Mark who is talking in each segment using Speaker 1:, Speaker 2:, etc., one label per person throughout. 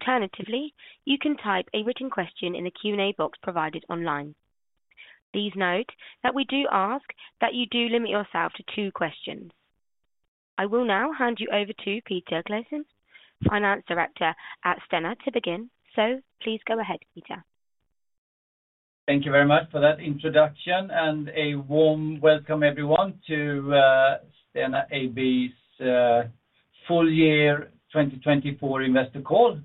Speaker 1: Alternatively, you can type a written question in the Q&A box provided online. Please note that we do ask that you do limit yourself to two questions. I will now hand you over to Peter Claesson, Finance Director at Stena to begin, so please go ahead, Peter.
Speaker 2: Thank you very much for that introduction, and a warm welcome everyone to Stena AB's Full Year 2024 Investor Call.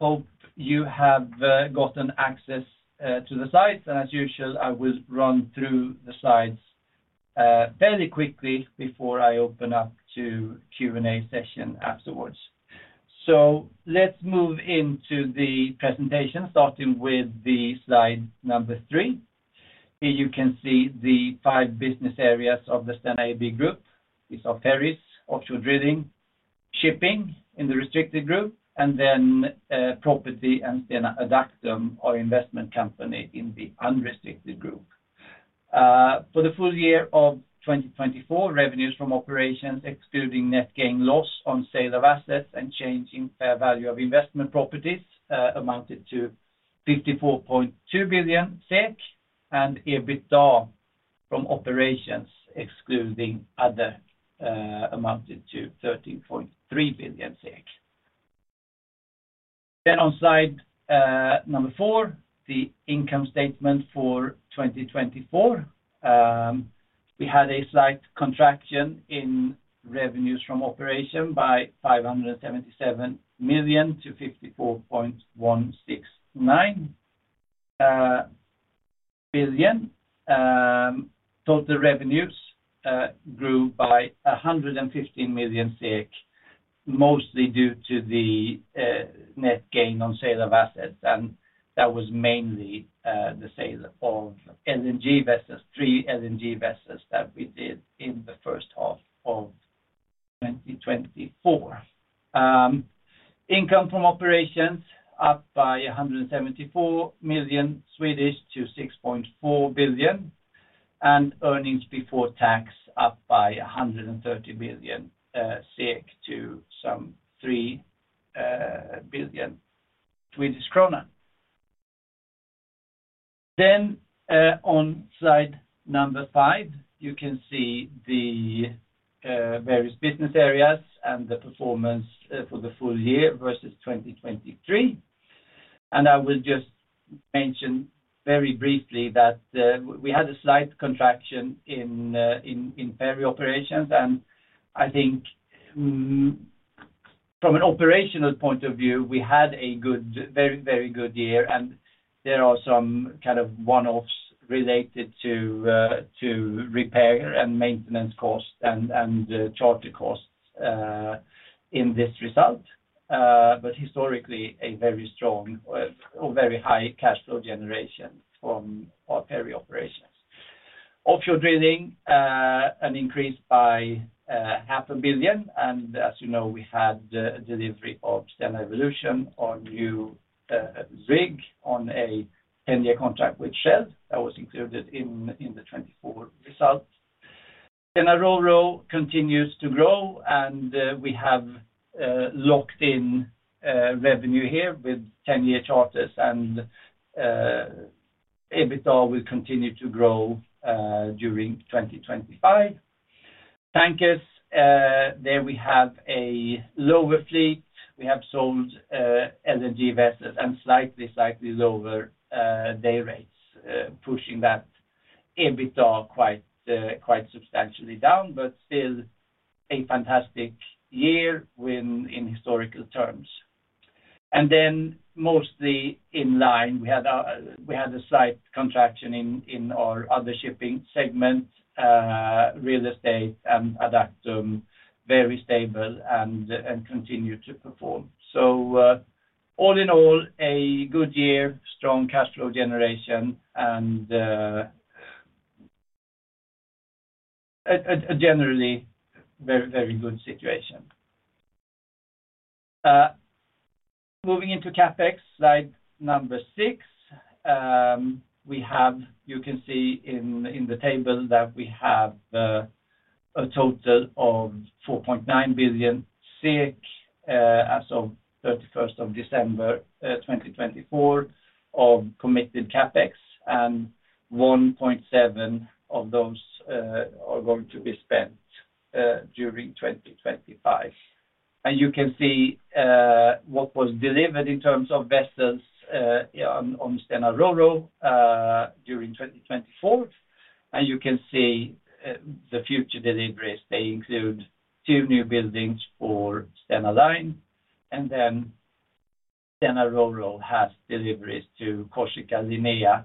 Speaker 2: Hope you have gotten access to the slides, and as usual, I will run through the slides fairly quickly before I open up to Q&A session afterwards. Let's move into the presentation, starting with slide number three. Here you can see the five business areas of the Stena AB Group. These are ferries, offshore drilling, shipping in the restricted group, and then property and Stena Adactum or investment company in the unrestricted group. For the full year of 2024, revenues from operations, excluding net gain loss on sale of assets and change in fair value of investment properties, amounted to 54.2 billion SEK, and EBITDA from operations, excluding other, amounted to 13.3 billion. On slide number four, the income statement for 2024. We had a slight contraction in revenues from operation by 577 million to 54.169 billion. Total revenues grew by 115 million SEK, mostly due to the net gain on sale of assets, and that was mainly the sale of LNG vessels, three LNG vessels that we did in the first half of 2024. Income from operations up by 174 million to 6.4 billion, and earnings before tax up by 130 million to some 3 billion Swedish krona. On slide number five, you can see the various business areas and the performance for the full year versus 2023. I will just mention very briefly that we had a slight contraction in ferry operations, and I think from an operational point of view, we had a good, very, very good year, and there are some kind of one-offs related to repair and maintenance costs and charter costs in this result. Historically, a very strong or very high cash flow generation from our ferry operations. Offshore drilling, an increase by 500,000, and as you know, we had delivery of Stena Evolution or new rig on a 10-year contract with Shell that was included in the 2024 result. Stena RoRo continues to grow, and we have locked in revenue here with 10-year charters, and EBITDA will continue to grow during 2025. Tankers, there we have a lower fleet. We have sold LNG vessels and slightly, slightly lower day rates, pushing that EBITDA quite substantially down, but still a fantastic year in historical terms. Mostly in line, we had a slight contraction in our other shipping segment, real estate and Adactum, very stable and continued to perform. All in all, a good year, strong cash flow generation, and generally very, very good situation. Moving into CapEx, slide number six, you can see in the table that we have a total of 4.9 billion as of 31st of December 2024 of committed CapEx, and 1.7 billion of those are going to be spent during 2025. You can see what was delivered in terms of vessels on Stena RoRo during 2024, and you can see the future deliveries. They include two new buildings for Stena Line, and then Stena RoRo has deliveries to Corsica Linea,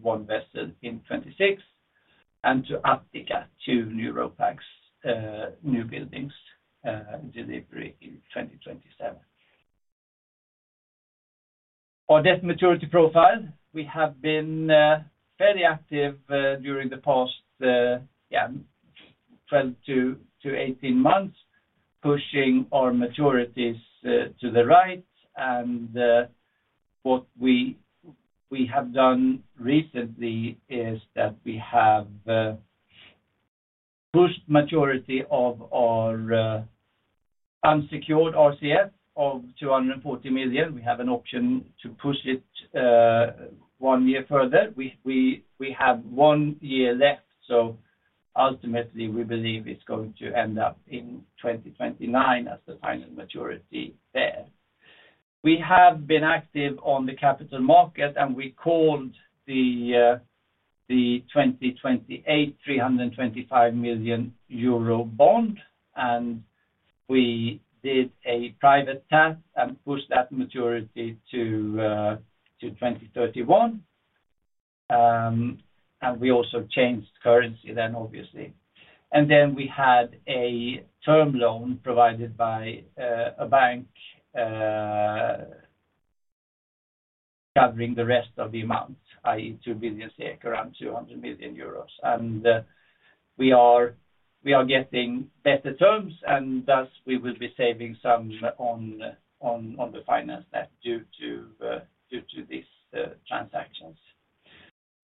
Speaker 2: one vessel in 2026, and to Arctia, two new RoRo packs, new buildings delivery in 2027. Our debt maturity profile, we have been fairly active during the past 12 to 18 months, pushing our maturities to the right, and what we have done recently is that we have pushed maturity of our unsecured RCF of 240 million. We have an option to push it one year further. We have one year left, so ultimately we believe it is going to end up in 2029 as the final maturity there. We have been active on the capital market, and we called the 2028 325 million euro bond, and we did a private tap and pushed that maturity to 2031. We also changed currency then, obviously. We had a term loan provided by a bank covering the rest of the amount, i.e., 2 billion, around 200 million euros. We are getting better terms, and thus we will be saving some on the finance net due to these transactions.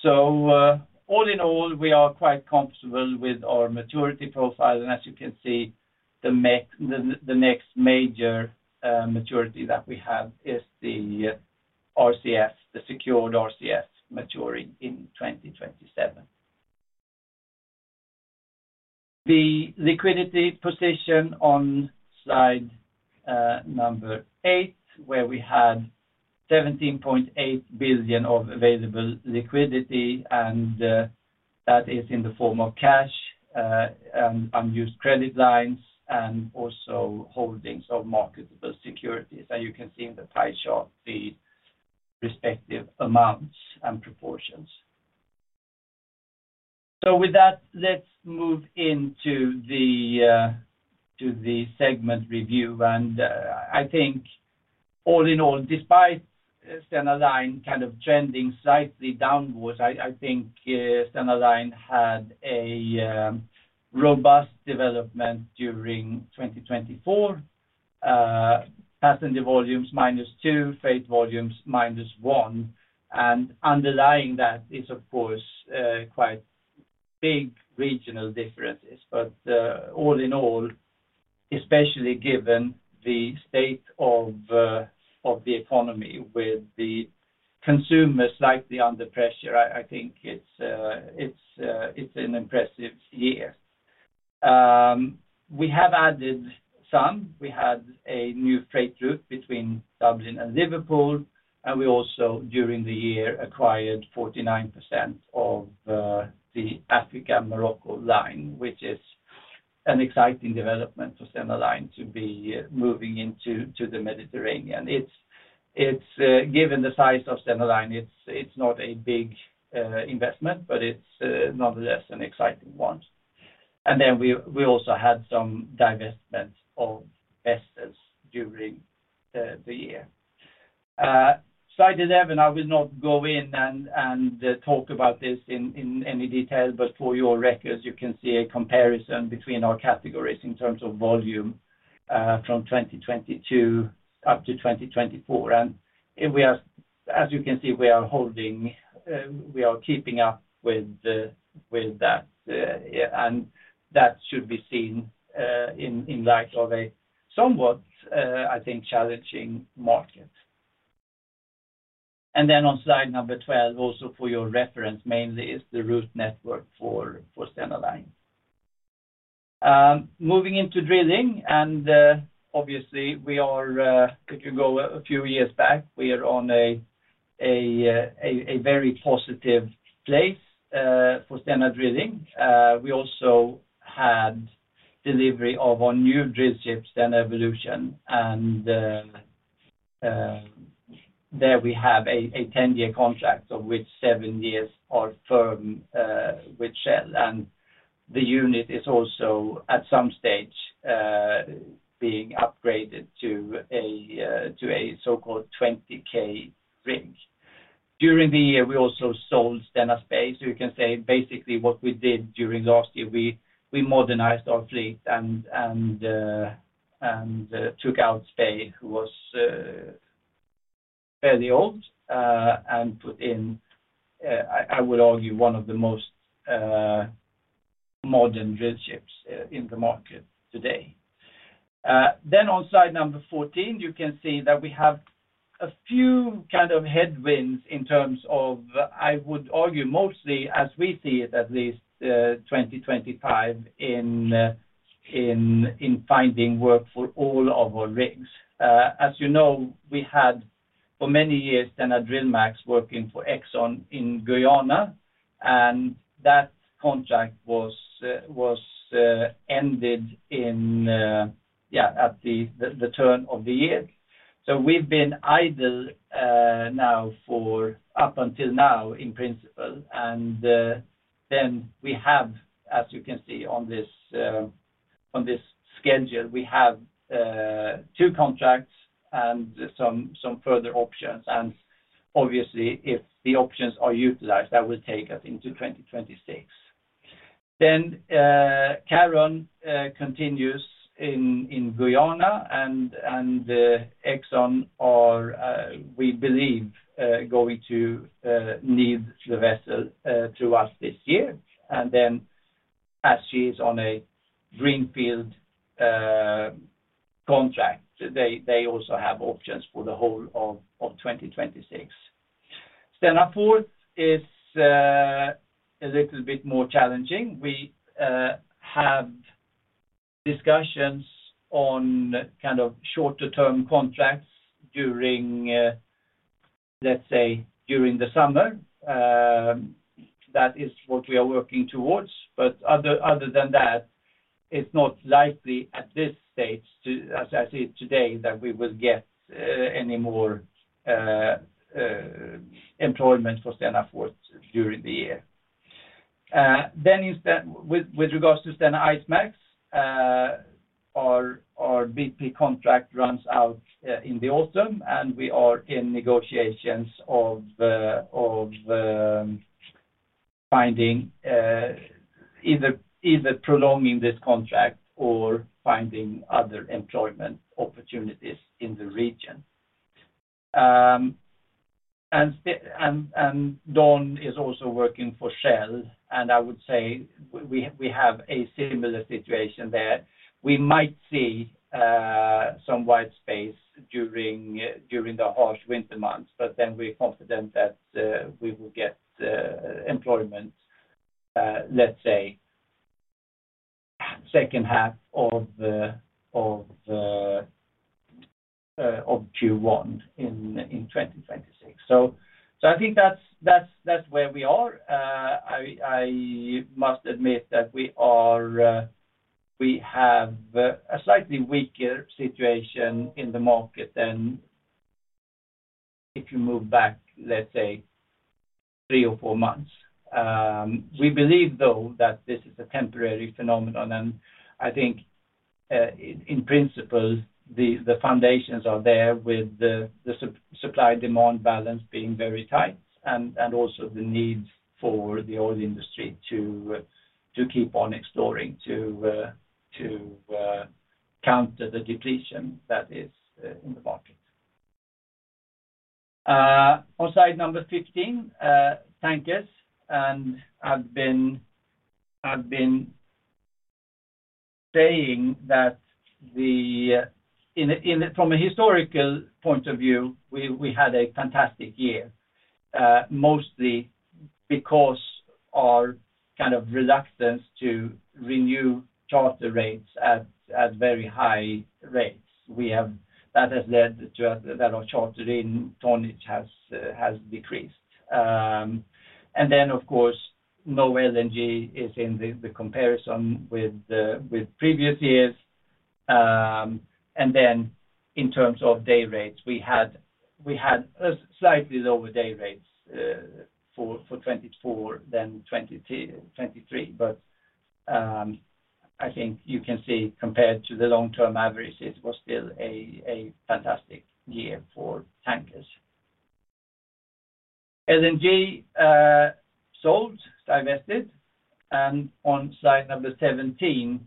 Speaker 2: All in all, we are quite comfortable with our maturity profile, and as you can see, the next major maturity that we have is the RCF, the secured RCF maturing in 2027. The liquidity position on slide number eight, where we had 17.8 billion of available liquidity, and that is in the form of cash and unused credit lines and also holdings of marketable securities. You can see in the pie chart the respective amounts and proportions. With that, let's move into the segment review. I think all in all, despite Stena Line kind of trending slightly downward, I think Stena Line had a robust development during 2024. Passenger volumes minus 2%, freight volumes minus 1%. Underlying that is, of course, quite big regional differences. All in all, especially given the state of the economy with the consumers slightly under pressure, I think it's an impressive year. We have added some. We had a new freight route between Dublin and Liverpool, and we also, during the year, acquired 49% of the Africa Morocco Line, which is an exciting development for Stena Line to be moving into the Mediterranean. Given the size of Stena Line, it's not a big investment, but it's nonetheless an exciting one. We also had some divestment of vessels during the year. Slide 11, I will not go in and talk about this in any detail, but for your records, you can see a comparison between our categories in terms of volume from 2022 up to 2024. As you can see, we are holding, we are keeping up with that, and that should be seen in light of a somewhat, I think, challenging market. On slide number 12, also for your reference, mainly is the route network for Stena Line. Moving into drilling, and obviously, we are, if you go a few years back, we are on a very positive place for Stena Drilling. We also had delivery of our new drill ship, Stena Evolution, and there we have a 10-year contract, of which seven years are firm with Shell, and the unit is also at some stage being upgraded to a so-called 20K rig. During the year, we also sold Stena Spey, so you can say basically what we did during last year, we modernized our fleet and took out Spey, who was fairly old, and put in, I would argue, one of the most modern drill ships in the market today. On slide number 14, you can see that we have a few kind of headwinds in terms of, I would argue, mostly as we see it at least, 2025 in finding work for all of our rigs. As you know, we had for many years Stena Drillmax working for Exxon in Guyana, and that contract was ended at the turn of the year. We have been idle now for up until now in principle, and you can see on this schedule, we have two contracts and some further options. If the options are utilized, that will take us into 2026. Carron continues in Guyana, and Exxon are, we believe, going to need the vessel throughout this year. As she is on a greenfield contract, they also have options for the whole of 2026. Stena Forth is a little bit more challenging. We have discussions on kind of shorter-term contracts during, let's say, during the summer. That is what we are working towards. Other than that, it's not likely at this stage, as I see it today, that we will get any more employment for Stena Forth during the year. With regards to Stena IceMAX, our BP contract runs out in the autumn, and we are in negotiations of finding either prolonging this contract or finding other employment opportunities in the region. Don is also working for Shell, and I would say we have a similar situation there. We might see some white space during the harsh winter months, but we are confident that we will get employment, let's say, second half of Q1 in 2026. I think that's where we are. I must admit that we have a slightly weaker situation in the market than if you move back, let's say, three or four months. We believe, though, that this is a temporary phenomenon, and I think in principle, the foundations are there with the supply-demand balance being very tight and also the needs for the oil industry to keep on exploring to counter the depletion that is in the market. On slide number 15, tankers, and I've been saying that from a historical point of view, we had a fantastic year, mostly because of our kind of reluctance to renew charter rates at very high rates. That has led to that our chartering tonnage has decreased. Of course, no LNG is in the comparison with previous years. In terms of day rates, we had slightly lower day rates for 2024 than 2023, but I think you can see compared to the long-term average, it was still a fantastic year for tankers. LNG sold, divested, and on slide number 17,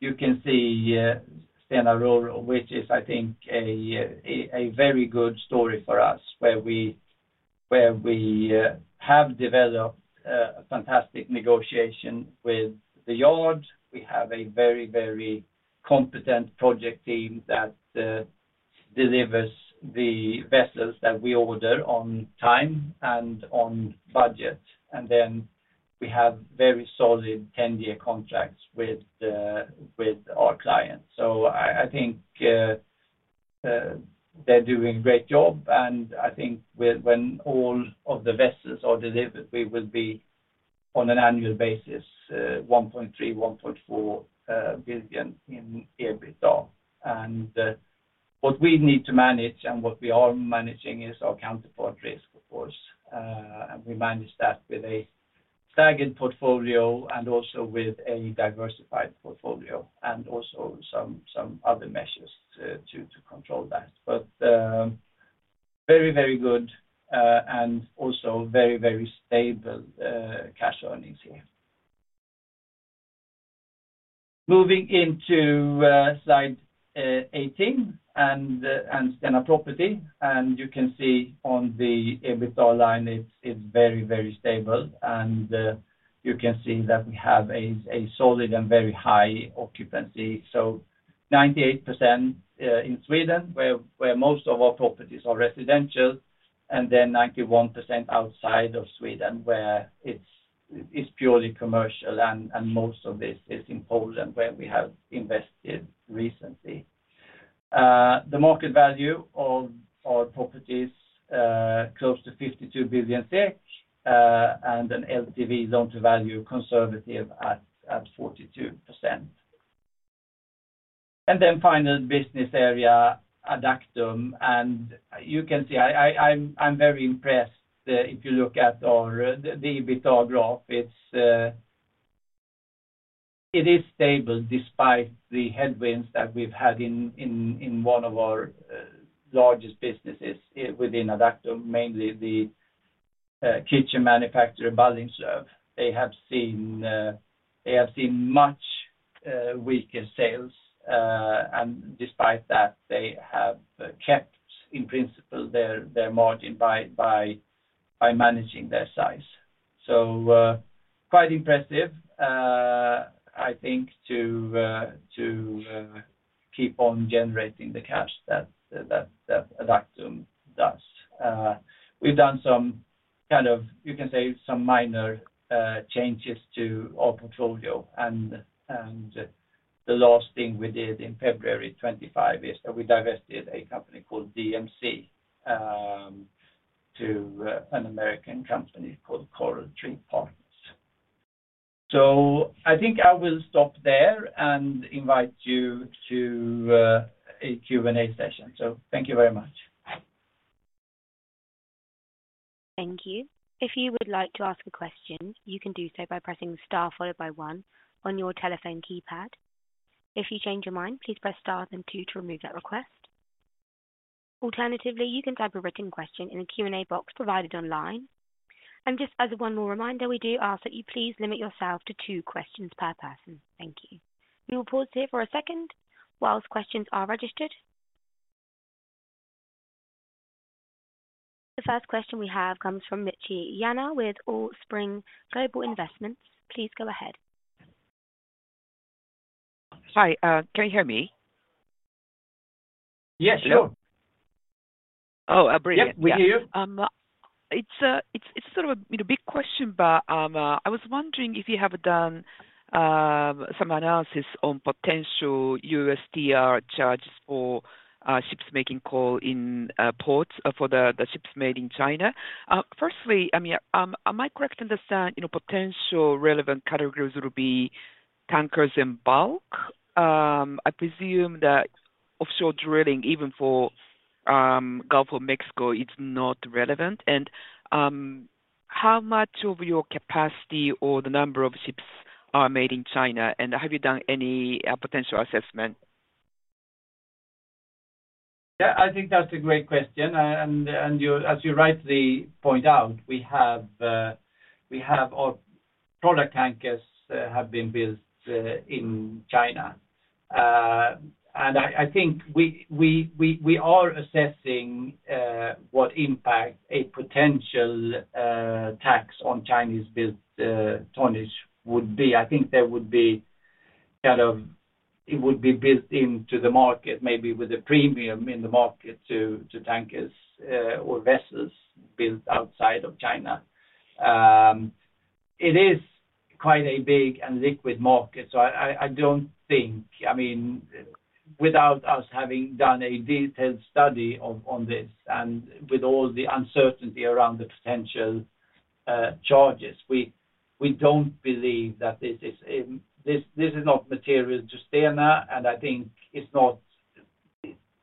Speaker 2: you can see Stena RoRo, which is, I think, a very good story for us, where we have developed a fantastic negotiation with the yard. We have a very, very competent project team that delivers the vessels that we order on time and on budget. We have very solid 10-year contracts with our clients. I think they're doing a great job, and I think when all of the vessels are delivered, we will be on an annual basis, 1.3 billion-1.4 billion in EBITDA. What we need to manage and what we are managing is our counterpart risk, of course. We manage that with a staggered portfolio and also with a diversified portfolio and also some other measures to control that. Very, very good and also very, very stable cash earnings here. Moving into slide 18 and Stena Property, you can see on the EBITDA line, it's very, very stable. You can see that we have a solid and very high occupancy. t in Sweden, where most of our properties are residential, and then 91% outside of Sweden, where it is purely commercial, and most of this is in Poland, where we have invested recently. The market value of our properties is close to 52 billion SEK and an LTV loan-to-value conservative at 42%. Final business area, Adactum. You can see I am very impressed if you look at the EBITDA graph. It is stable despite the headwinds that we have had in one of our largest businesses within Adactum, mainly the kitchen manufacturer, Ballingslöv. They have seen much weaker sales, and despite that, they have kept, in principle, their margin by managing their size. Quite impressive, I think, to keep on generating the cash that Adactum does. We have done some kind of, you can say, some minor changes to our portfolio. The last thing we did in February 2025 is that we divested a company called DMC to an American company called Coral Tree Partners. I think I will stop there and invite you to a Q&A session. Thank you very much.
Speaker 1: Thank you. If you would like to ask a question, you can do so by pressing the star followed by one on your telephone keypad. If you change your mind, please press star then two to remove that request. Alternatively, you can type a written question in the Q&A box provided online. Just as one more reminder, we do ask that you please limit yourself to two questions per person. Thank you. We will pause here for a second whilst questions are registered. The first question we have comes from Michie Yana with Allspring Global Investments. Please go ahead.
Speaker 3: Hi, can you hear me?
Speaker 2: Yes, sure.
Speaker 3: Oh, I'm brilliant.
Speaker 2: Yep, we hear you.
Speaker 3: It's sort of a big question, but I was wondering if you have done some analysis on potential USD charges for ships making call in ports for the ships made in China. Firstly, I mean, am I correct to understand potential relevant categories would be tankers and bulk? I presume that offshore drilling, even for Gulf of Mexico, is not relevant. How much of your capacity or the number of ships are made in China? I mean, have you done any potential assessment?
Speaker 2: Yeah, I think that's a great question. As you rightly point out, we have our product tankers have been built in China. I think we are assessing what impact a potential tax on Chinese-built tonnage would be. I think it would be kind of built into the market, maybe with a premium in the market to tankers or vessels built outside of China. It is quite a big and liquid market, so I don't think, I mean, without us having done a detailed study on this and with all the uncertainty around the potential charges, we don't believe that this is material to Stena, and I think it's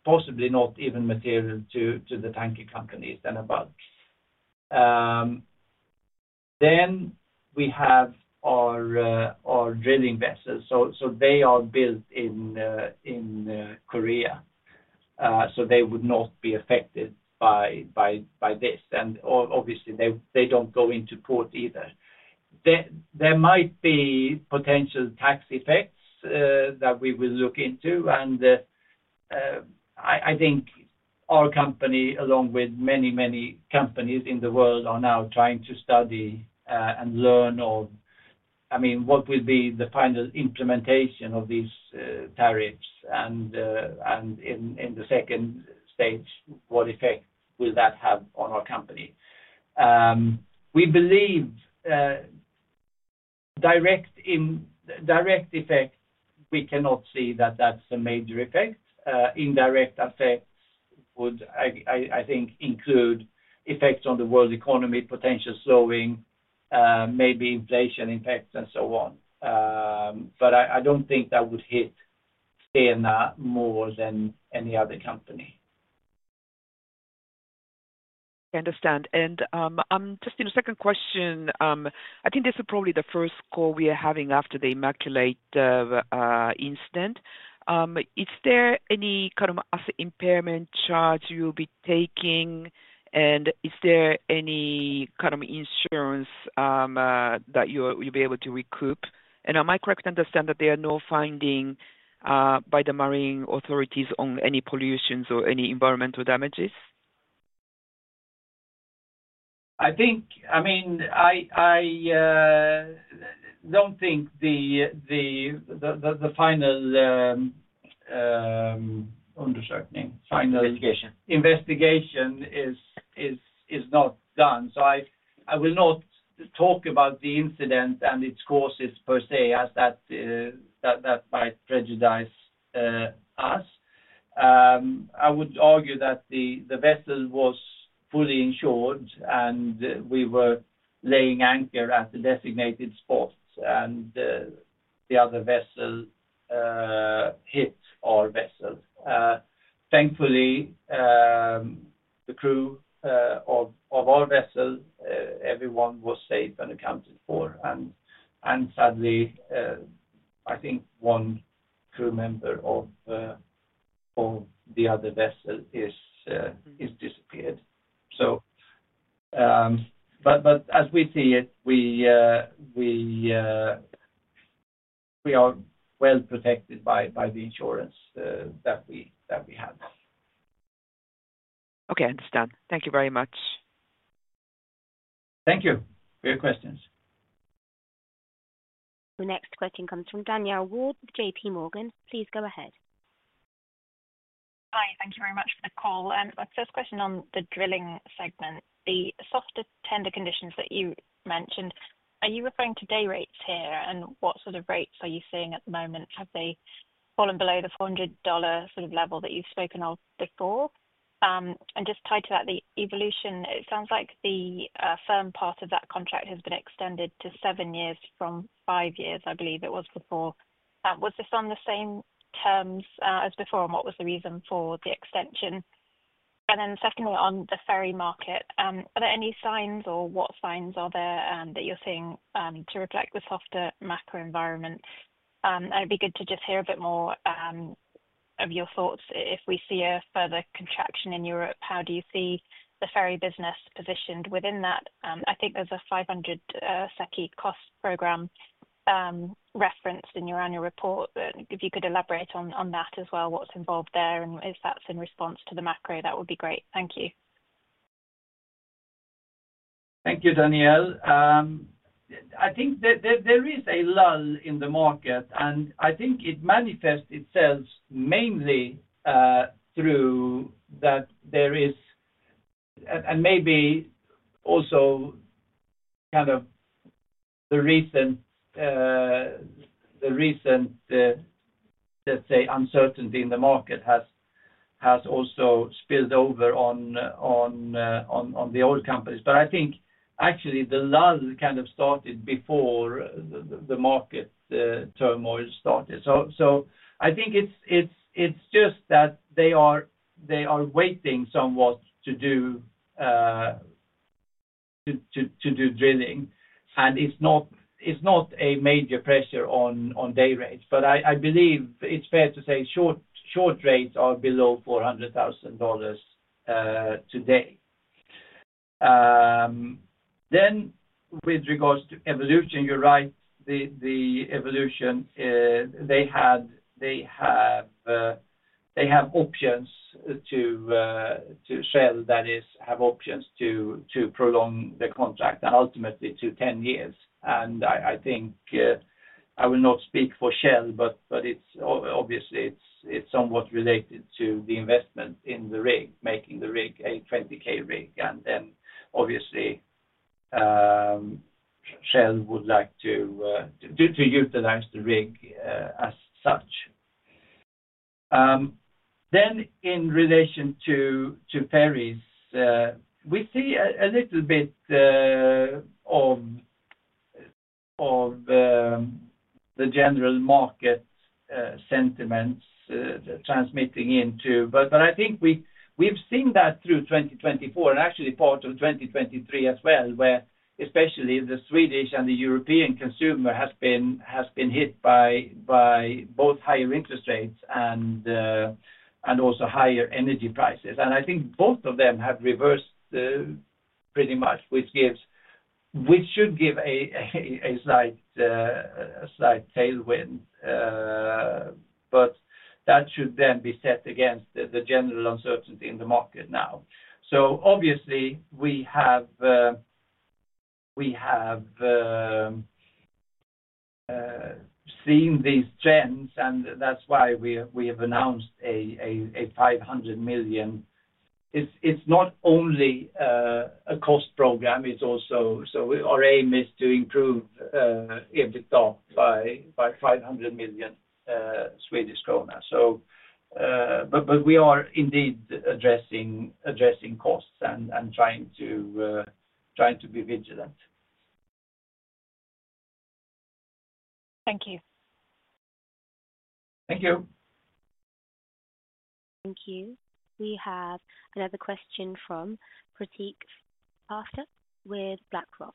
Speaker 2: possibly not even material to the tanker company, Stena Bulk. We have our drilling vessels. They are built in Korea, so they would not be affected by this. Obviously, they do not go into port either. There might be potential tax effects that we will look into. I think our company, along with many, many companies in the world, are now trying to study and learn of, I mean, what will be the final implementation of these tariffs and in the second stage, what effect will that have on our company? We believe direct effect, we cannot see that that is a major effect. Indirect effects would, I think, include effects on the world economy, potential slowing, maybe inflation effects, and so on. I do not think that would hit Stena more than any other company.
Speaker 3: I understand. Just a second question. I think this is probably the first call we are having after the Immaculate incident. Is there any kind of asset impairment charge you'll be taking, and is there any kind of insurance that you'll be able to recoup? Am I correct to understand that there are no findings by the marine authorities on any pollutions or any environmental damages?
Speaker 2: I mean, I don't think the final investigation is not done. I will not talk about the incident and its courses per se as that might prejudice us. I would argue that the vessel was fully insured, and we were laying anchor at the designated spot, and the other vessel hit our vessel. Thankfully, the crew of our vessel, everyone was safe and accounted for. Sadly, I think one crew member of the other vessel has disappeared. As we see it, we are well protected by the insurance that we have.
Speaker 3: Okay, understood. Thank you very much.
Speaker 2: Thank you. Your questions.
Speaker 1: The next question comes from Danielle Ward with JP Morgan. Please go ahead.
Speaker 4: Hi, thank you very much for the call. My first question on the drilling segment, the softer tender conditions that you mentioned, are you referring to day rates here, and what sort of rates are you seeing at the moment? Have they fallen below the $400 sort of level that you've spoken of before? Just tied to that, the Evolution, it sounds like the firm part of that contract has been extended to seven years from five years, I believe it was before. Was this on the same terms as before, and what was the reason for the extension? Secondly, on the ferry market, are there any signs or what signs are there that you're seeing to reflect the softer macro environment? It'd be good to just hear a bit more of your thoughts. If we see a further contraction in Europe, how do you see the ferry business positioned within that? I think there's a 500 million cost program referenced in your annual report. If you could elaborate on that as well, what's involved there, and if that's in response to the macro, that would be great. Thank you.
Speaker 2: Thank you, Danielle. I think there is a lull in the market, and I think it manifests itself mainly through that there is, and maybe also kind of the recent, the recent, let's say, uncertainty in the market has also spilled over on the oil companies. I think actually the lull kind of started before the market turmoil started. I think it's just that they are waiting somewhat to do drilling, and it's not a major pressure on day rates. I believe it's fair to say short rates are below $400,000 today. With regards to Evolution, you're right, the Evolution, they have options to Shell, that is, have options to prolong the contract and ultimately to 10 years. I think I will not speak for Shell, but obviously it's somewhat related to the investment in the rig, making the rig a 20K rig. Obviously Shell would like to utilize the rig as such. In relation to ferries, we see a little bit of the general market sentiments transmitting into. I think we've seen that through 2024 and actually part of 2023 as well, where especially the Swedish and the European consumer has been hit by both higher interest rates and also higher energy prices. I think both of them have reversed pretty much, which should give a slight tailwind, but that should then be set against the general uncertainty in the market now. We have seen these trends, and that's why we have announced a 500 million. It's not only a cost program. Our aim is to improve EBITDA by SEK 500 million. We are indeed addressing costs and trying to be vigilant.
Speaker 4: Thank you.
Speaker 2: Thank you.
Speaker 1: Thank you. We have another question from Prateek Bhatia with BlackRock.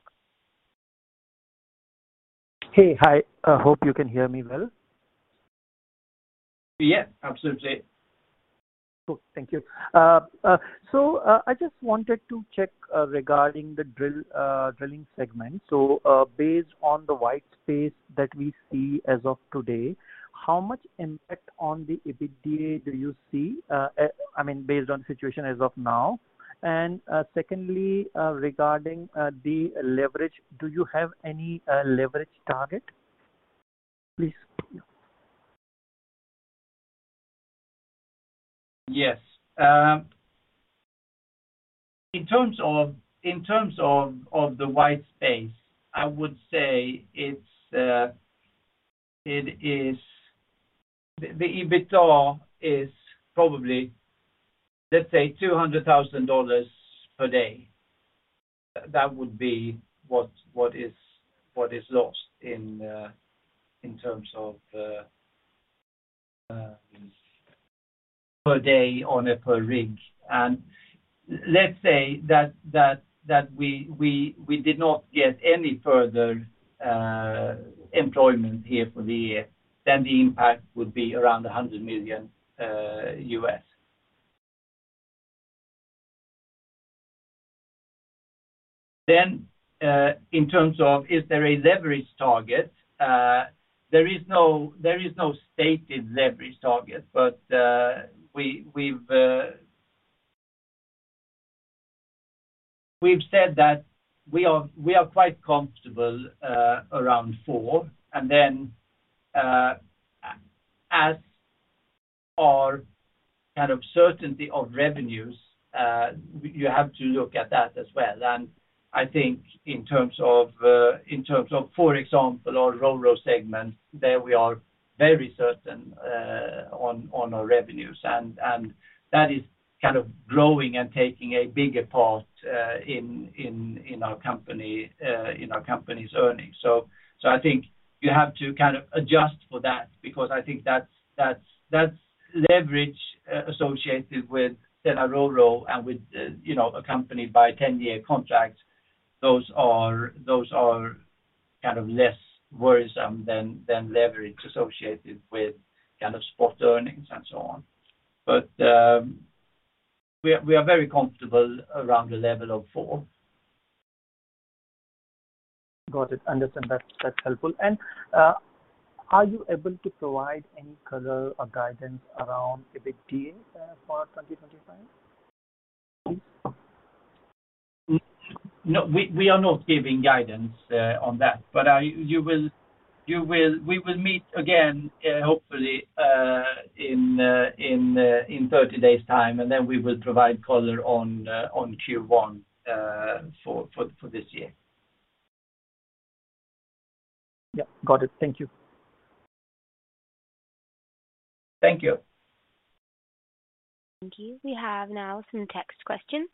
Speaker 5: Hey, hi. I hope you can hear me well.
Speaker 2: Yes, absolutely.
Speaker 5: Thank you. I just wanted to check regarding the drilling segment. Based on the white space that we see as of today, how much impact on the EBITDA do you see? I mean, based on the situation as of now. Secondly, regarding the leverage, do you have any leverage target? Please.
Speaker 2: Yes. In terms of the white space, I would say it is the EBITDA is probably, let's say, $200,000 per day. That would be what is lost in terms of per day on a per rig. Let's say that we did not get any further employment here for the year, the impact would be around $100 million. In terms of is there a leverage target, there is no stated leverage target, but we've said that we are quite comfortable around four. As our kind of certainty of revenues, you have to look at that as well. I think in terms of, for example, our RoRo segment, there we are very certain on our revenues. That is kind of growing and taking a bigger part in our company's earnings. I think you have to kind of adjust for that because I think that leverage associated with Stena RoRo and with a company by 10-year contracts, those are kind of less worrisome than leverage associated with kind of spot earnings and so on. We are very comfortable around the level of four.
Speaker 5: Got it. Understood. That's helpful. Are you able to provide any color or guidance around EBITDA for 2025?
Speaker 2: We are not giving guidance on that, but we will meet again, hopefully, in 30 days' time, and then we will provide color on Q1 for this year.
Speaker 5: Yeah. Got it. Thank you.
Speaker 2: Thank you.
Speaker 1: Thank you. We have now some text questions.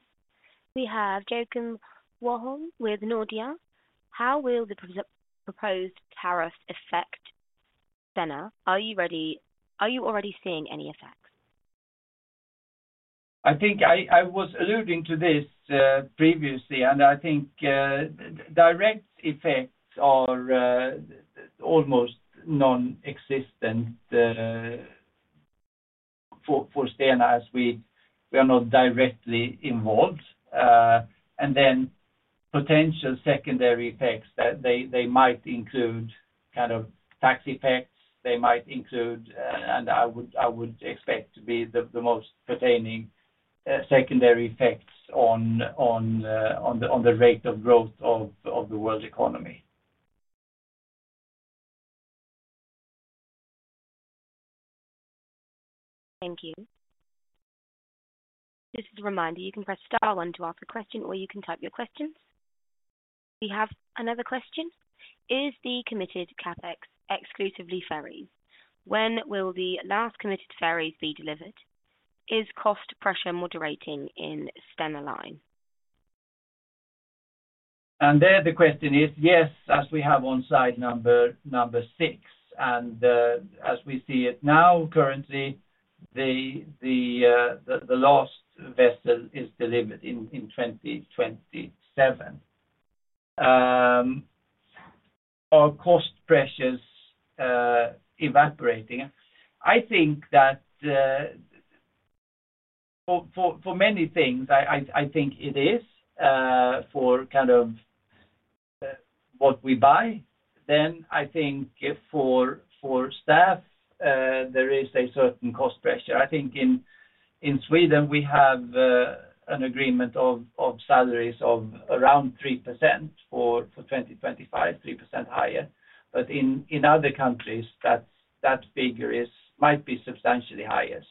Speaker 1: We have Joken Wahol with Nordea. How will the proposed tariffs affect Stena? Are you already seeing any effects?
Speaker 2: I think I was alluding to this previously, and I think direct effects are almost nonexistent for Stena as we are not directly involved. Potential secondary effects, they might include kind of tax effects. They might include, and I would expect to be the most pertaining, secondary effects on the rate of growth of the world economy.
Speaker 1: Thank you. This is a reminder. You can press star on to ask a question, or you can type your questions. We have another question. Is the committed CapEx exclusively ferries? When will the last committed ferries be delivered? Is cost pressure moderating in Stena Line?
Speaker 2: Yes, as we have on slide number six. As we see it now, currently, the last vessel is delivered in 2027. Are cost pressures evaporating? I think that for many things, I think it is for kind of what we buy. I think for staff, there is a certain cost pressure. I think in Sweden, we have an agreement of salaries of around 3% for 2025, 3% higher. In other countries, that figure might be substantially higher.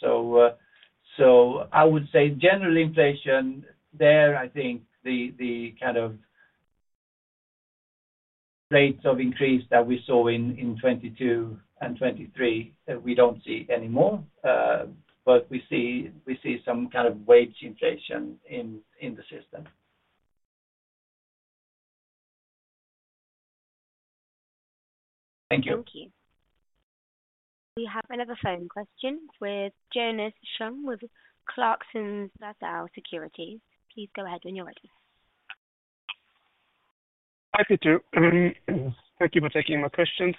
Speaker 2: I would say general inflation there, I think the kind of rates of increase that we saw in 2022 and 2023, we do not see anymore, but we see some kind of wage inflation in the system. Thank you.
Speaker 1: Thank you. We have another phone question with Jonas Shum with Clarksons Platou Securities. Please go ahead when you're ready.
Speaker 6: Happy to. Thank you for taking my questions.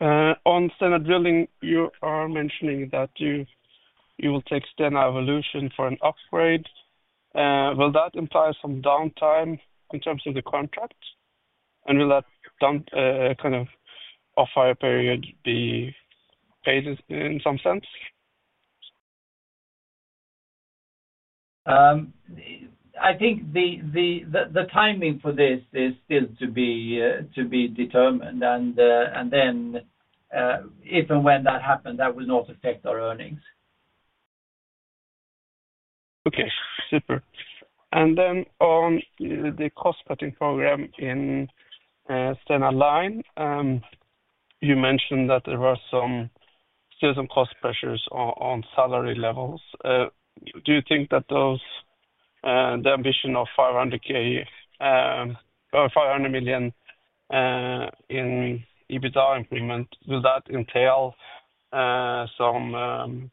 Speaker 6: On Stena Drilling, you are mentioning that you will take Stena Evolution for an upgrade. Will that imply some downtime in terms of the contract? Will that kind of off-hire period be paid in some sense?
Speaker 2: I think the timing for this is still to be determined. If and when that happens, that will not affect our earnings.
Speaker 6: Okay. Super. On the cost-cutting program in Stena Line, you mentioned that there were still some cost pressures on salary levels. Do you think that the ambition of 500 million in EBITDA improvement, will that entail some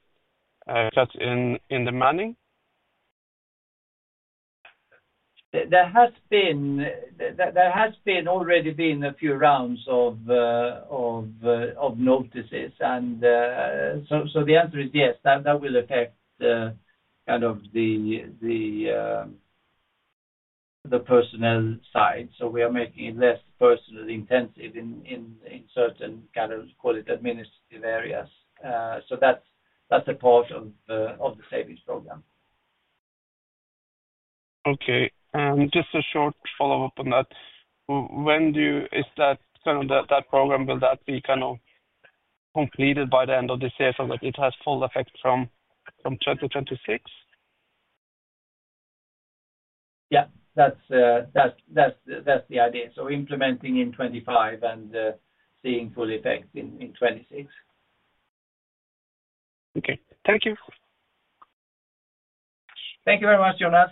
Speaker 6: cuts in the manning?
Speaker 2: There has already been a few rounds of notices. The answer is yes, that will affect kind of the personal side. We are making it less personally intensive in certain kind of, call it administrative areas. That is a part of the savings program.
Speaker 6: Okay. Just a short follow-up on that. Is that kind of that program, will that be kind of completed by the end of this year so that it has full effect from 2026?
Speaker 2: Yeah. That's the idea. Implementing in 2025 and seeing full effect in 2026.
Speaker 6: Okay. Thank you.
Speaker 2: Thank you very much, Jonas.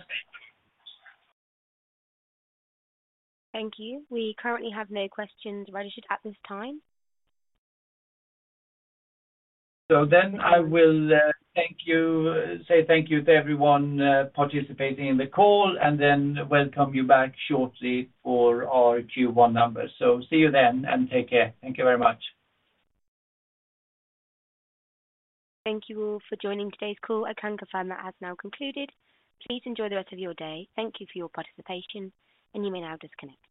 Speaker 1: Thank you. We currently have no questions registered at this time.
Speaker 2: Thank you to everyone participating in the call and then welcome you back shortly for our Q1 numbers. See you then and take care. Thank you very much.
Speaker 1: Thank you for joining today's call. I can confirm that has now concluded. Please enjoy the rest of your day. Thank you for your participation, and you may now disconnect.